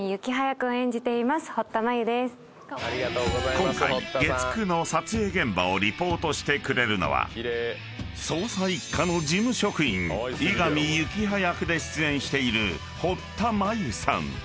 ［今回月９の撮影現場をリポートしてくれるのは捜査一課の事務職員伊上幸葉役で出演している堀田真由さん］